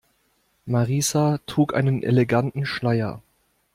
Marissa trug einen eleganten Schleier.